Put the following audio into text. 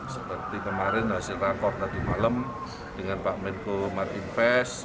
seperti kemarin hasil rakor tadi malam dengan pak menko marinvest